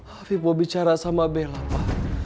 afif mau bicara sama bella pa